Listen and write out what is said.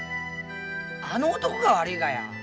あの男が悪いがや。